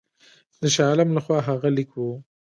د شاه عالم له خوا هغه لیک وو.